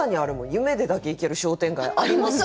夢でだけ行ける商店街ありますよね。